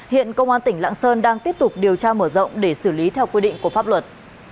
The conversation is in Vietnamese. hiện công an tỉnh lạng sơn đang tiếp tục điều tra mở rộng để xử lý theo quy định của pháp luật